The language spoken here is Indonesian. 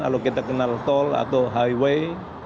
kalau kita kenal tol atau highway